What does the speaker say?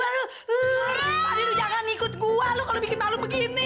padahal lo jangan ikut gua lo kalau bikin malu begini